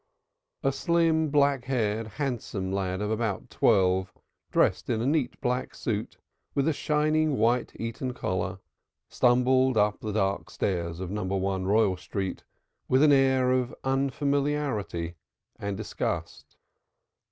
A slim, black haired, handsome lad of about twelve, dressed in a neat black suit, with a shining white Eton collar, stumbled up the dark stairs of No. 1 Royal Street, with an air of unfamiliarity and disgust.